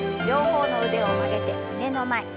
両方の腕を曲げて胸の前。